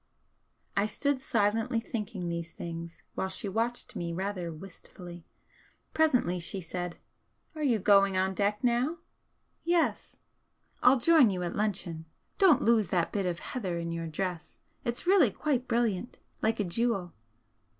I stood silently thinking these things, while she watched me rather wistfully. Presently she said: "Are you going on deck now?" "Yes." "I'll join you all at luncheon. Don't lose that bit of heather in your dress, it's really quite brilliant like a jewel."